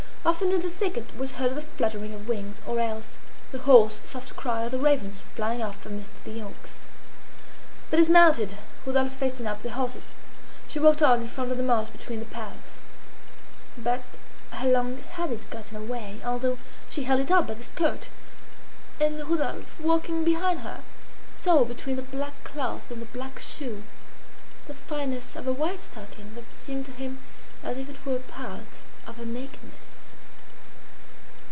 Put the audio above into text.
Often in the thicket was heard the fluttering of wings, or else the hoarse, soft cry of the ravens flying off amidst the oaks. They dismounted. Rodolphe fastened up the horses. She walked on in front on the moss between the paths. But her long habit got in her way, although she held it up by the skirt; and Rodolphe, walking behind her, saw between the black cloth and the black shoe the fineness of her white stocking, that seemed to him as if it were a part of her nakedness.